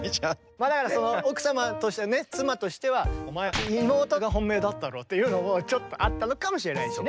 まあだから奥様としてね妻としては「お前妹が本命だったろ」っていうのもちょっとあったのかもしれないしね。